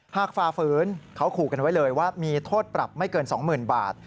ฝ่าฝืนเขาขู่กันไว้เลยว่ามีโทษปรับไม่เกิน๒๐๐๐บาท